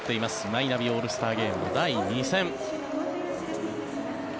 マイナビオールスターゲーム第２戦。